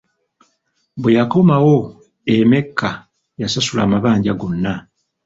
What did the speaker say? Bwe yakomawo e Mecca yasasula amabanja gonna.